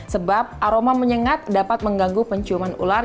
sebab aroma menyengat dapat mengganggu penciuman ular